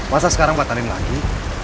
masa sekarang batalin lagi